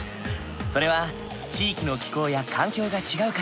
それは地域の気候や環境が違うから。